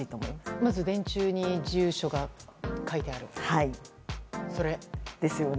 まず電柱に住所が書いてある。ですよね。